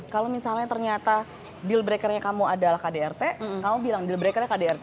kalau misalnya ternyata deal breaker nya kamu adalah kdrt kamu bilang deal breaker nya kdrt